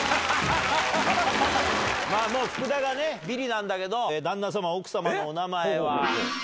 もう福田がね、びりなんだけど、旦那様、奥様のお名前は。